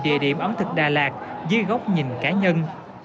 địa điểm ẩm thực đà lạt dưới góc nhìn cá nhân